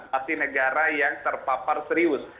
masih negara yang terpapar serius